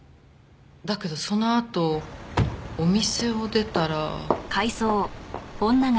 だけどそのあとお店を出たら。